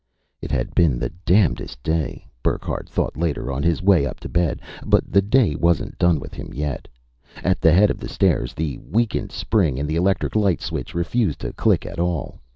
It had been the damnedest day, Burckhardt thought later, on his way up to bed. But the day wasn't done with him yet. At the head of the stairs, the weakened spring in the electric light switch refused to click at all.